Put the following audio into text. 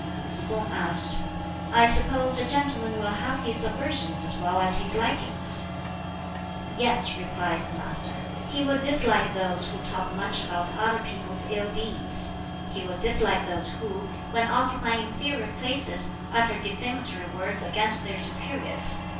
Tsz kung asked, "I suppose a gentleman will have his aversions as well as his likings?" "Yes," replied the Master, "he will dislike those who talk much about other people's ill deeds. He will dislike those who, when occupying inferior places, utter defamatory words against their superiors.